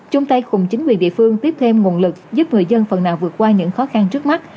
chung tay cùng chính quyền địa phương tiếp thêm nguồn lực giúp người dân phần nào vượt qua những khó khăn trước mắt